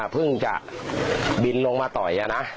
เพิ่งจะบินลงมาต่อยนะ